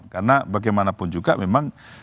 karena bagaimanapun juga memang